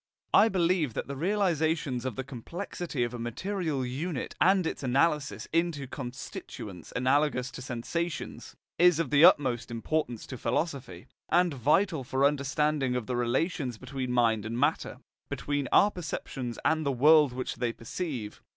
I believe that the realization of the complexity of a material unit, and its analysis into constituents analogous to sensations, is of the utmost importance to philosophy, and vital for any understanding of the relations between mind and matter, between our perceptions and the world which they perceive.